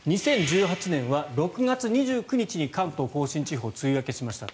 ２０１８年は６月２９日に関東・甲信地方が梅雨明けしました。